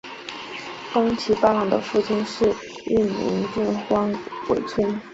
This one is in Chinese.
宫崎八郎的父亲是玉名郡荒尾村。